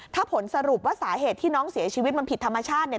ถ้าผลสรุปว่าสาเหตุที่น้องเสียชีวิตมันผิดธรรมชาติเนี่ย